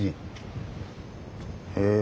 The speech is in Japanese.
へえ。